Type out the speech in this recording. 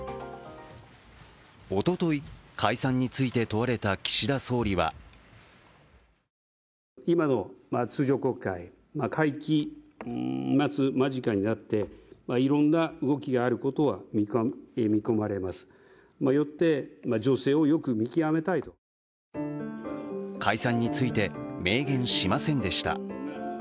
おととい、解散について問われた岸田総理は解散について明言しませんでした。